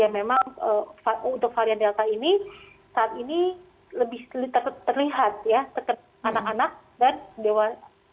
memang untuk varian delta ini saat ini lebih terlihat ya anak anak dan dewasa